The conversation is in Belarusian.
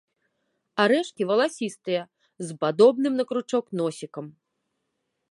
Арэшкі валасістыя, з падобным на кручок носікам.